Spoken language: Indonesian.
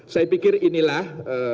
saya pikir inilah